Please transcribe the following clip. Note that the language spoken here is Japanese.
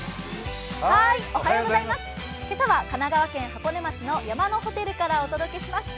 今朝は神奈川県箱根町の山のホテルからお届けします。